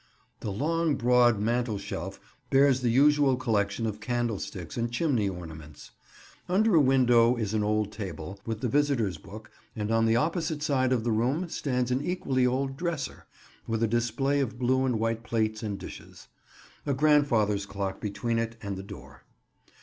The long, broad mantel shelf bears the usual collection of candlesticks and "chimney ornaments." Under a window is an old table, with the visitors' book, and on the opposite side of the room stands an equally old dresser, with a display of blue and white plates and dishes: a grandfather's clock between it and the door.